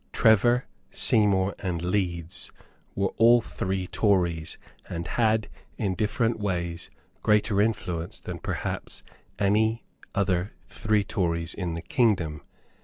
Trevor, Seymour and Leeds were all three Tories, and had, in different ways, greater influence than perhaps any other three Tories in the kingdom.